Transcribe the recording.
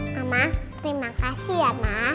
mama terima kasih ya mama